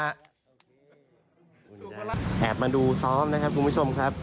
แอบมาดูซ้อมนะครับคุณผู้ชมครับ